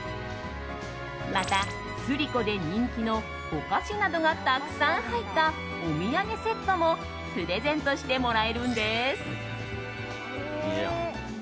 また、スリコで人気のお菓子などがたくさん入ったお土産セットもプレゼントしてもらえるんです。